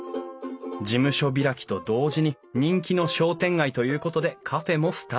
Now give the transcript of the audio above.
事務所開きと同時に人気の商店街ということでカフェもスタート。